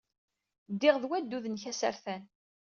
Ddiɣ ed waddud-nnek asertan.